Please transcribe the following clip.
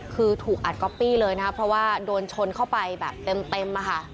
คือถูกอัดก๊อปปี้เลยนะครับเพราะว่าโดนชนเข้าไปแบบเต็มอะค่ะ